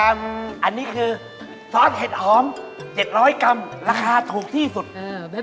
อันนี้คือซอสเห็ดหอม๗๐๐กรัมราคาถูกที่สุด